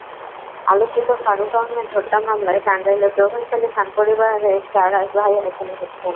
আলোচিত ফারুক আহমেদ হত্যা মামলায় টাঙ্গাইলের প্রভাবশালী খান পরিবারের চার ভাই আসামি হচ্ছেন।